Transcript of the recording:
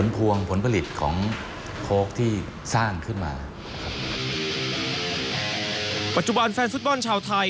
ปัจจุบันแฟนฟุตบอลชาวไทย